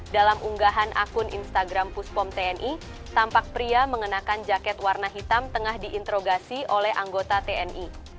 dalam unggahan akun instagram puspom tni tampak pria mengenakan jaket warna hitam tengah diinterogasi oleh anggota tni